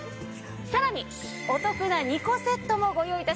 さらにお得な２個セットもご用意致しました。